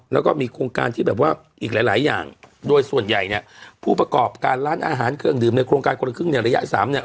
แล้วก็มีโครงการที่แบบว่าอีกหลายหลายอย่างโดยส่วนใหญ่เนี่ยผู้ประกอบการร้านอาหารเครื่องดื่มในโครงการคนละครึ่งในระยะสามเนี่ย